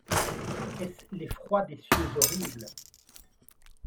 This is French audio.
Est-ce l’effroi des cieux horribles